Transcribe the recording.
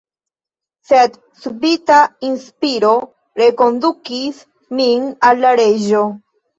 Sed subita inspiro rekondukis min al la Reĝo.